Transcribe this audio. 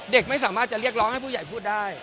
เด็กไม่สามารถจะเรียกร้องให้ผู้ใหญ่พูดได้